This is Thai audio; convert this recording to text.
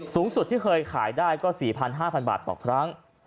สูงสุดที่เคยขายได้ก็๔๕๐๐บาทต่อครั้ง